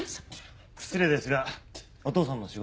失礼ですがお父さんの仕事は一体？